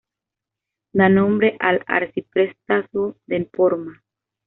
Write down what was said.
Da nombre al Arciprestazgo de Porma.